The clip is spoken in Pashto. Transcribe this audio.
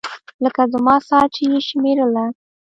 لکه زما ساه چې يې شمېرله.